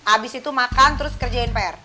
abis itu makan terus kerjain pr